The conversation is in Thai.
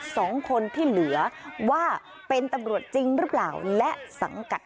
ตอนนี้นะคะตำรวจส